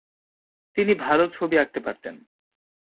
তিনি ভাল ছবি আঁকতে পারতেন।